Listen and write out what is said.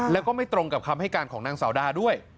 แล้วก็ไม่ตรงกับคำให้การของนางสาวดาด้วย